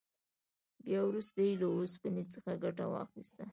بیا وروسته یې له اوسپنې څخه ګټه واخیسته.